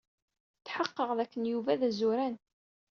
Tḥeqqeɣ dakken Yuba d azuran.